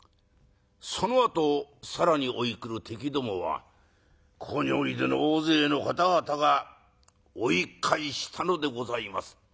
そのあと更に追い来る敵どもはここにおいでの大勢の方々が追い返したのでございます。